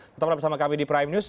tetap bersama kami di prime news